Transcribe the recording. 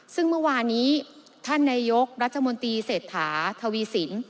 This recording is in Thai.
ซึ่งเมื่อวานี้ท่านนายกรัฐมนตรีเศรษฐาทวีสิน